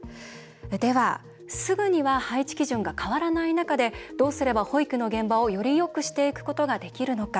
では、すぐには配置基準が変わらない中でどうすれば保育の現場をよりよくしていくことができるのか。